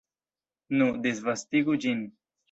Nu, disvastigu ĝin!